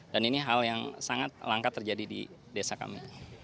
dan ini hal yang sangat langka terjadi di desa kami